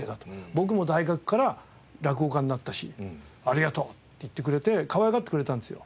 僕も大学から落語家になったしありがとう！って言ってくれてかわいがってくれたんですよ。